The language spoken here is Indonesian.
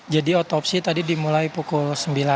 jadi otopsi tadi dimulai pukul sembilan